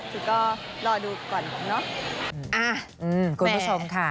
คือก็รอดูก่อนเนอะ